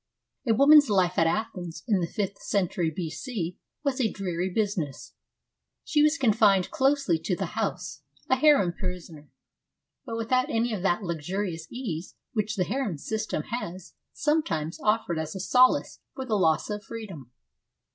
A woman's life at Athens in the fifth century B.C. was a dreary business. She was confined closely to the house, a harem prisoner, but without any of that luxurious ease which the harem system has I 57 58 FEMINISM IN GREEK LITERATURE sometimes offered as a solace for the loss of freedom.